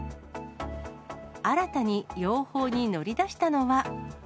新たに養蜂に乗り出したのは。